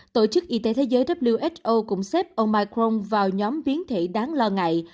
thế giới who cũng xếp omicron vào nhóm biến thể đáng lo ngại